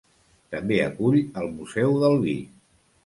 També acull el Museu del Vi.